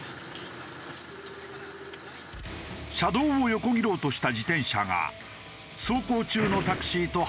車道を横切ろうとした自転車が走行中のタクシーと激しく衝突。